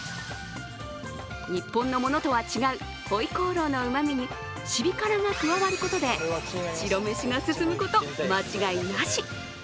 日本のものとは違う回鍋肉のうまみにシビ辛が加わることで白飯が進むこと、間違いなし。